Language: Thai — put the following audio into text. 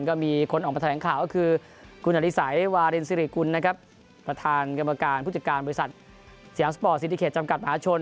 ก็มีคนออกมาแถลงข่าวก็คือคุณอดิสัยวารินสิริกุลนะครับประธานกรรมการผู้จัดการบริษัทสยามสปอร์ตซิติเขตจำกัดมหาชน